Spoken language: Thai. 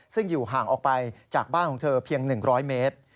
ซึ่งอยู่ห่างออกไปจากบ้านของเธอเพียง๑๐๐เมตร